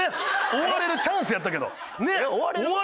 終われるチャンスやったけどね。